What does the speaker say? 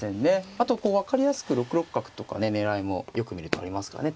あとこう分かりやすく６六角とかね狙いもよく見るとありますかね